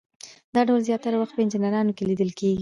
دا ډول زیاتره وخت په انجینرانو کې لیدل کیږي.